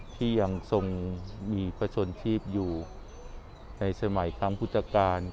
ที่ยังทรงมีพัชน์ชีพอยู่ในสมัยครั้งพุทธการส์